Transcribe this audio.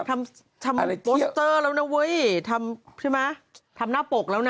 ทำทำแล้วน่ะเว้ยทำใช่ไหมทำหน้าปกแล้วน่ะ